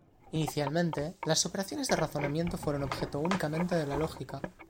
Inicialmente, las operaciones de razonamiento fueron objeto únicamente de la lógica.